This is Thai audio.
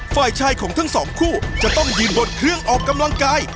ฝ่ายชายของทั้งสองคู่จะต้องยืนบนเครื่องออกกำลังกาย